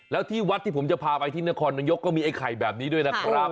แล้วที่วัดที่ผมจะพาไปที่นครนายกก็มีไอ้ไข่แบบนี้ด้วยนะครับ